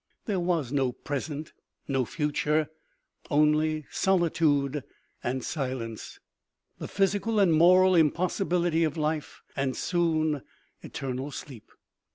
There was no present, no future ; only solituderand silence, the physical and moral impossibil ity of life, and soon eternal sleep.